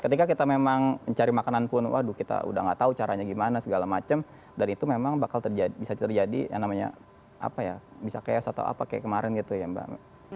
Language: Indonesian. ketika kita memang mencari makanan pun waduh kita udah gak tau caranya gimana segala macam dan itu memang bakal bisa terjadi yang namanya apa ya bisa chaos atau apa kayak kemarin gitu ya mbak